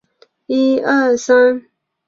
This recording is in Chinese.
看了看时间